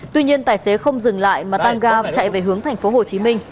tuy nhiên tài xế không dừng lại mà tăng ga chạy về hướng tp hcm